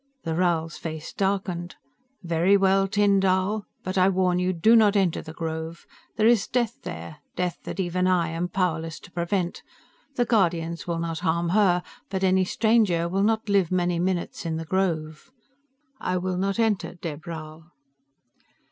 The Rhal's face darkened. "Very well, Tyn Dall, but I warn you, do not enter the Grove. There is death there, death that even I am powerless to prevent. The Guardians will not harm her, but any stranger ... will not live many minutes in the Grove." "I will not enter, Dheb Rhal."